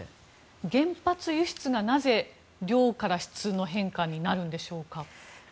原発輸出がなぜ量から質の変化になるのでしょうか。